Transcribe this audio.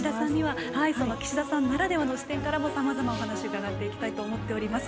岸田さんならではの視点からもさまざまお話伺っていきたいと思います。